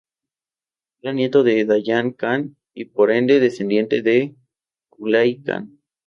Era nieto de Dayan Kan y, por ende, descendiente de Kublai Kan.